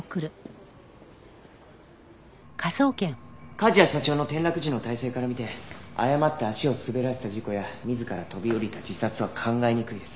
梶谷社長の転落時の体勢から見て誤って足を滑らせた事故や自ら飛び降りた自殺とは考えにくいです。